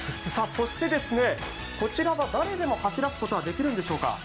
そしてこちらは誰でも走らすことができるんでしょうか？